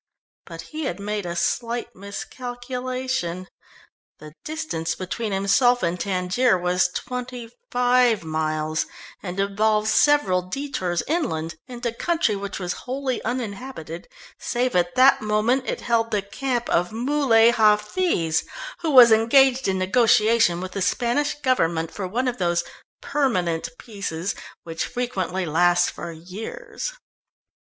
But he had made a slight miscalculation. The distance between himself and Tangier was twenty five miles, and involved several detours inland into country which was wholly uninhabited, save at that moment it held the camp of Muley Hafiz, who was engaged in negotiation with the Spanish Government for one of those "permanent peaces" which frequently last for years.